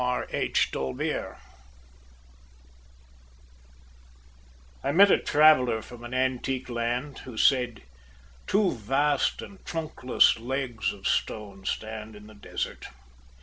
Y Z Ozymandias I MET a traveller from an antique land Who said: Two vast and trunkless legs of stone Stand in the desert